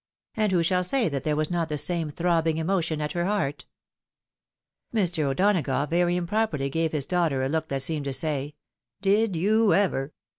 And who shall say that there was not the same throbbing emotion at her heart ? Mr. O'Donagough very improperly gave his daughter a look that seemed to say, " Did you ever